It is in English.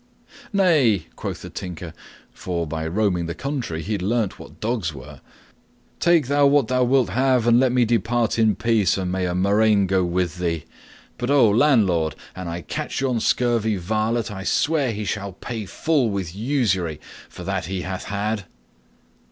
"Nay," quoth the Tinker for, by roaming the country, he had learned what dogs were "take thou what thou wilt have, and let me depart in peace, and may a murrain go with thee. But oh, landlord! An I catch yon scurvy varlet, I swear he shall pay full with usury for that he hath had!"